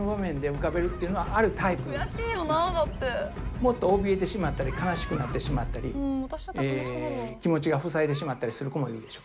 もっとおびえてしまったり悲しくなってしまったり気持ちがふさいでしまったりする子もいるでしょ。